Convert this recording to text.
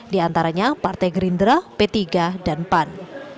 diantaranya partai gerindra p tiga dan pan